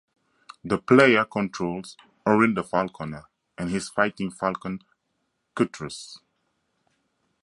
The player controls Orin the Falconer and his fighting falcon Cutrus.